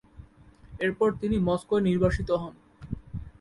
এরপর তিনি মস্কোয় নির্বাসিত হন।